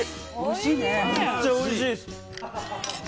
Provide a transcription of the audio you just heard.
めっちゃおいしいです！